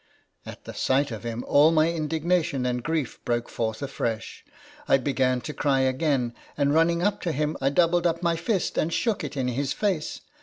At the sight of him all my indigna tion and grief broke forth afresh. I began to cry again ; and running up to him, I doubled up my fist and shook it in his face.